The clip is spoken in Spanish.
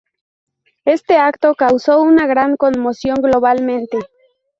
Este acto causo una gran conmoción globalmente.